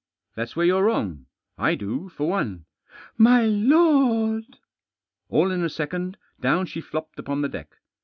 That's where you're wrong. I do, for one." "My lord!" All in a second down she flopped upon the deck.